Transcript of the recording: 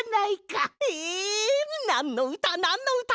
えなんのうたなんのうた！？